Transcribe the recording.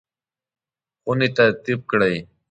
خونې ترتیب کړئ